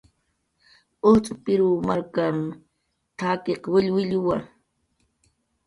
"Ujtz' Pirw markan t""akiq willwilluwa"